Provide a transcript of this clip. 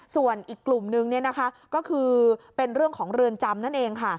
ส่วนอีกกลุ่มนึงก็คือเป็นเรื่องของเรือนจำนั่นเองค่ะ